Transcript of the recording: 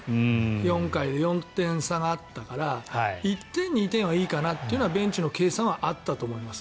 ４回で４点差もあったから１点、２点はいいかなというベンチの計算はあったと思います。